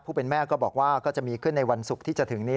แม่ก็บอกว่าก็จะมีขึ้นในวันศุกร์ที่จะถึงนี้